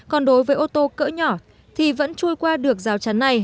còn đối với ô tô cỡ nhỏ thì vẫn trôi qua được rào chắn này